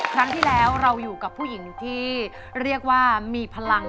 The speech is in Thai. ครั้งที่แล้วเราอยู่กับผู้หญิงที่เรียกว่ามีพลัง